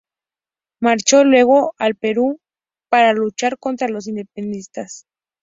Marchó luego al Perú para luchar contra los independentistas.